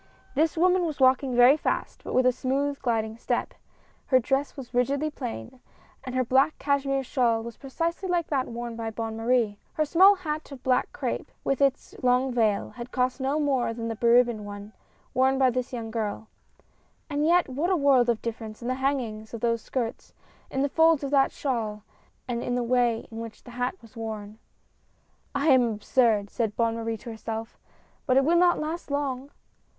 This woman was walking very fast, but with a smooth, gliding step. Her dress was rigidly plain; and her black cashmere shawl was precisely like that worn by Bonne Marie. Her small hat of black crape, with its long vail, had cost no more than the beribboned one, worn by the young girl ; and yet what a world of dif ference in the hanging of those skirts, in the folds of that shawl, and in the way in which the hat was worn. "I am absurd," said Bonne Marie to herself, "but it will not last long